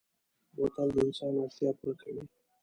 بوتل د انسان اړتیا پوره کوي.